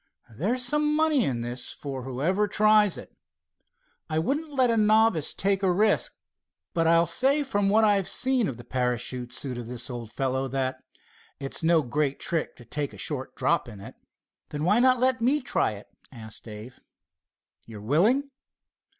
"There's some money in this for whoever tries it. I wouldn't let a novice take a risk, but I'll say from what I've seen of the parachute suit of this old fellow that it's no great trick to take a short drop in it." "Then why not let me try it?" asked Dave. "You're willing?"